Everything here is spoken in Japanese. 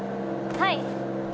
はい。